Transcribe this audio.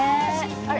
あれ？